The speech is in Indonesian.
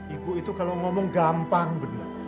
ibu itu kalau ngomong gampang benar